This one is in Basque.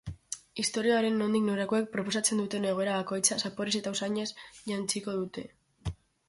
Istorioaren nondik norakoek proposatzen duten egoera bakoitza zaporez eta usainez jantziko dute.